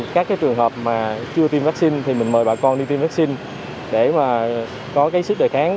các trường hợp mà chưa tiêm vaccine thì mình mời bà con đi tiêm vaccine để mà có sức đề kháng